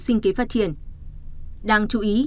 sinh kế phát triển đáng chú ý